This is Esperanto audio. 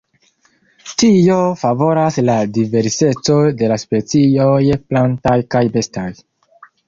Tio favoras la diverseco de la specioj plantaj kaj bestaj.